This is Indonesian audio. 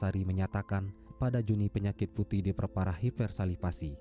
adm memastikan satwa ini datang dari arah videos